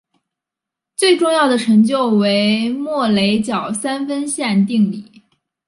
最重要的成就为莫雷角三分线定理。